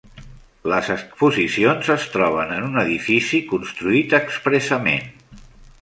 Les exposicions es troben en un edifici construït expressament.